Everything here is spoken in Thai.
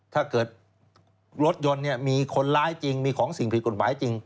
ถ้าเกิดรถยนต์มีคนร้ายจริงมีของสิ่งผิดกฎหมายจริง